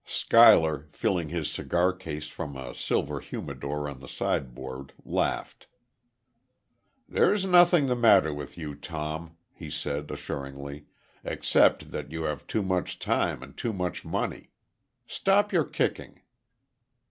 Schuyler, filling his cigar case from a silver humidor on the sideboard, laughed. "There's nothing the matter with you, Tom," he said, assuringly, "except that you have too much time and too much money. Stop your kicking."